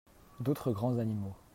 D'autres grands animaux.